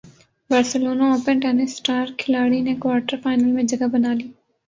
Barcelona Open tennis star کھلاڑی نے quarter final میں جگہ بنا لی